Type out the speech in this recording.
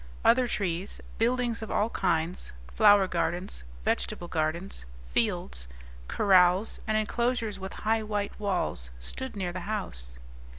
Other trees, buildings of all kinds, flower gardens, vegetable gardens, fields, corrals, and enclosures with high white walls stood near the house.